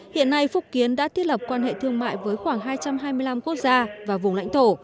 hiện nay phúc kiến đã thiết lập quan hệ thương mại với khoảng hai trăm hai mươi năm quốc gia và vùng lãnh thổ